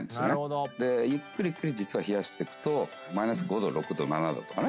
でゆっくりゆっくり実は冷やしてくとマイナス５℃６℃７℃とかね